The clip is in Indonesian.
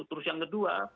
terus yang kedua